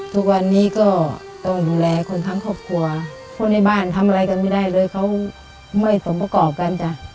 ทุกวันนี้ก็ต้องดูแลคนทั้งครอบครัวคนในบ้านทำอะไรกันไม่ได้เลยเขาไม่สมประกอบกันจ้ะ